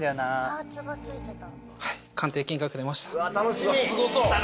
パーツがついてた。